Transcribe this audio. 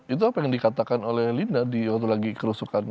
itu apa yang dikatakan oleh linda di waktu lagi kerusukan